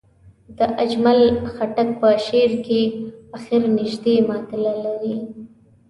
د اجمل خټک په شعر کې اخر نژدې معادل لري.